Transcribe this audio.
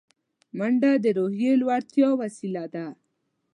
منډه د روحیې لوړتیا وسیله ده